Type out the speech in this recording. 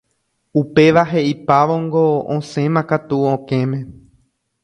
Upéva he'ipávongo osẽmakatu okẽme.